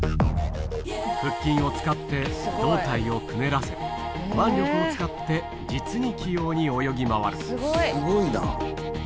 腹筋を使って胴体をくねらせ腕力を使って実に器用に泳ぎ回るすごいな！